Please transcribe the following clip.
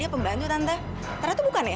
sepertinya saya lagi ada sekarang sih